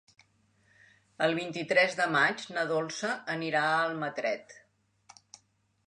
El vint-i-tres de maig na Dolça anirà a Almatret.